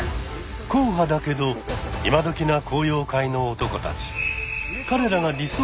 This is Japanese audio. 硬派だけど今どきな昂揚会の男たち。